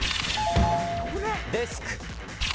デスク。